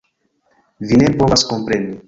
Vi ne povas kompreni.